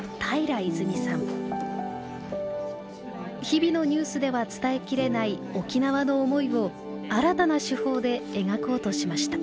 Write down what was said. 日々のニュースでは伝えきれない沖縄の思いを新たな手法で描こうとしました。